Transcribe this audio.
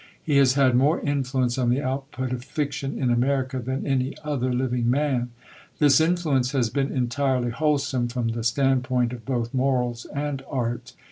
He has had more influence on the output of fiction in America than any other living man. This influence has been entirely wholesome, from the standpoint of both morals and Art.